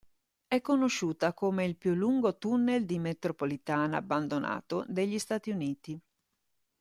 È conosciuta come il più lungo tunnel di metropolitana abbandonato degli Stati Uniti.